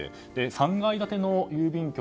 ３階建ての郵便局。